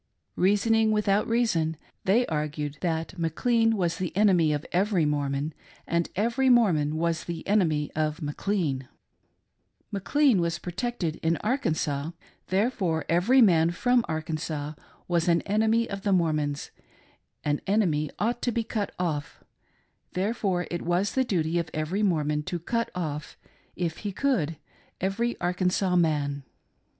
Reasoning without reason, they argued that McLean was the enemy of every Mormon, and every Mormon was the enemy of McLean ;— McLean was protected it Arkansas therefore every man from Arkansas was an enemy of the Mor mons ;— an enemy ought to be cut off — therefore it was the duty of every Mormon to "cut off" — if he could — every Arkansas man.